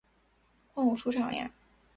换我出场呀！